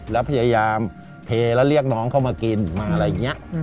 แล้วพยายามเทแล้วเรียกน้องเข้ามากินมาอะไรอย่างนี้